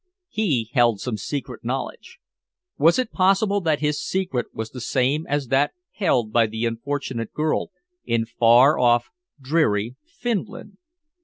He held some secret knowledge. Was it possible that his secret was the same as that held by the unfortunate girl in far off, dreary Finland?